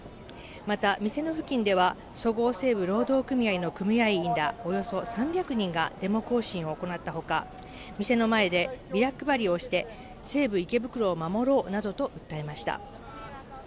また、店の付近ではそごう・西武労働組合の組合員らおよそ３００人がデモ行進を行ったほか、店の前でビラ配りをして、西武池袋を守ろうなどと訴えました。